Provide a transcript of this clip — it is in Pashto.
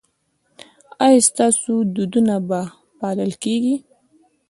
ایا ستاسو دودونه به پالل کیږي؟